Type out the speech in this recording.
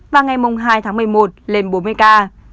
và ngày hai tháng một mươi một lên bốn mươi ca